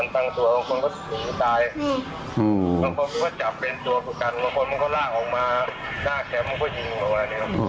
ตอนที่มาหน้าแครมก็ยิงประมาณนี้